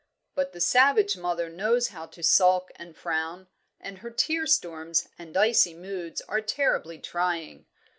"But the savage mother knows how to sulk and frown, and her tear storms and icy moods are terribly trying.